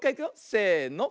せの。